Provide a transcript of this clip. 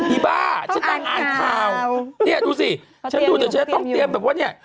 อีบ้าฉันนั่งอ่านข่าวเนี่ยดูสิฉันดูเดี๋ยวฉันต้องเตรียมแบบว่าเนี่ย